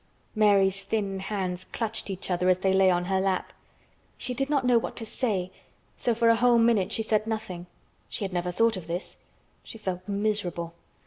Mary's thin hands clutched each other as they lay on her lap. She did not know what to say, so for a whole minute she said nothing. She had never thought of this. She felt miserable.